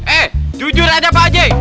eh jujur aja pak ajay